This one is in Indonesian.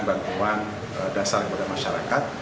bantuan dasar kepada masyarakat